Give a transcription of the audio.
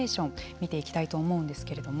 見ていきたいと思うんですけれども。